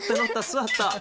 座った。